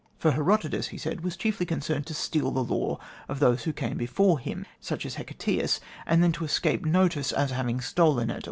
For Herodotus, he said, was chiefly concerned to steal the lore of those who came before him, such as Hecataeus, and then to escape notice as having stolen it.